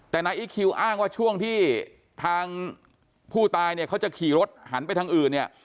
แต่นายอีคคิวอ้างว่าช่วงที่ทางผู้ตายเนี่ยเขาจะขี่รถหันไปทางอื่นเนี่ย